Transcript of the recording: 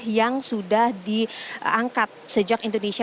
yang sudah diangkat sejak indonesia